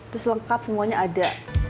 terus lengkap semuanya ada